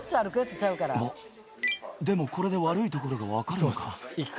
あっ、でもこれで悪いところが分かるのか。